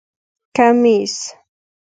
👗 کمېس